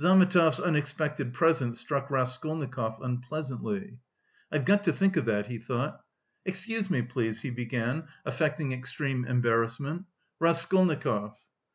Zametov's unexpected presence struck Raskolnikov unpleasantly. "I've got to think of that," he thought. "Excuse me, please," he began, affecting extreme embarrassment. "Raskolnikov."